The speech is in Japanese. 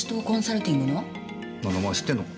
何だお前知ってんのか？